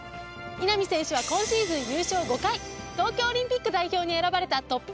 稲見選手は今シーズン優勝５回東京オリンピック代表に選ばれたトッププロゴルファーなの。